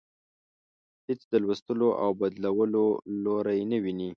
هیڅ د لوستلو او بدلولو لوری نه ويني.